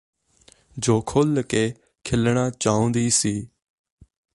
ਜੋ ਖੁੱਲ ਕੇ ਖਿਲਣਾ ਚਾਹੁੰਦੀ ਸੀ